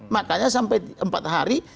makanya sampai empat hari